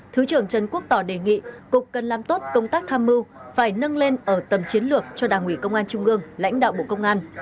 thứ trưởng trần quốc tỏ đề nghị cục cần làm tốt công tác tham mưu phải nâng lên ở tầm chiến lược cho đảng ủy công an trung ương lãnh đạo bộ công an